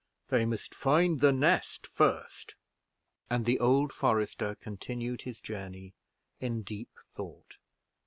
they must find the nest first." And the old forester continued his journey in deep thought.